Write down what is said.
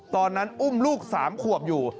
ตอนนั้นอุ้มลูก๓ขวบอยู่